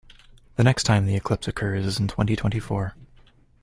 The next time the eclipse occurs is in twenty-twenty-four.